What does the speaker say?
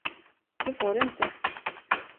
Det får du inte.